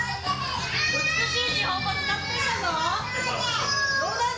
美しい日本語を使ってるんだぞ。